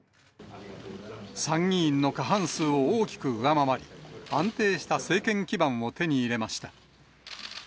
参議院の過半数を大きく上回り、安定した政権基盤を手に入れました。